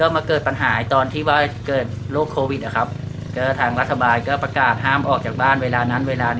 มาเกิดปัญหาตอนเกิดโรคโควิดทางรัฐบาลก็บอกประกาศภาพลังจากบ้าน